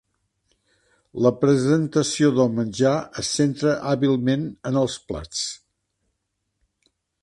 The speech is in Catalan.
La presentació del menjar es centra hàbilment en els plats.